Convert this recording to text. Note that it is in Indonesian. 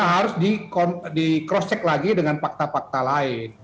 harus di cross check lagi dengan fakta fakta lain